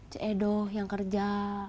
ce edo yang kerja